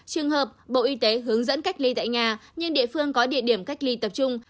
trường hợp bộ y tế hướng dẫn cách ly tại nhà nhưng địa phương có địa điểm cách ly tập trung